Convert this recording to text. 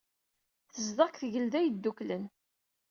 Tezdeɣ deg Tgelda Yedduklen.